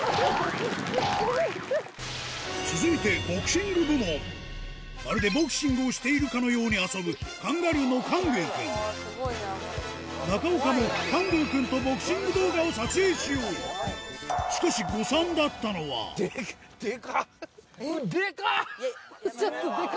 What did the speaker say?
続いてまるでボクシングをしているかのように遊ぶカンガルーのカングーくん中岡もカングーくんとボクシング動画を撮影しようしかしデカっ！